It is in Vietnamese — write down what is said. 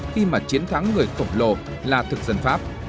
khi mà chiến thắng người khổng lồ là thực dân pháp